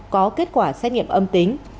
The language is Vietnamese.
có kết quả xét nghiệm âm tính